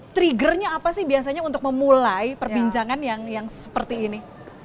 triggernya apa sih biasanya untuk memulai perbincangan yang seperti ini